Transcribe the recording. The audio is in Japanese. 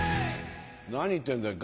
何言ってんだよ